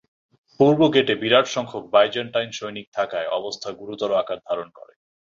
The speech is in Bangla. পূর্ব গেটে বিরাট সংখ্যক বাইজেন্টাইন সৈনিক থাকায় অবস্থা গুরুতর আকার ধারণ করে।